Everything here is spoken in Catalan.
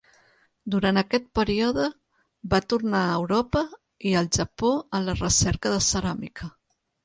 Durant aquest període, va tornar a Europa, i al Japó en la recerca de ceràmica.